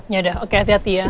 ya udah oke hati hati ya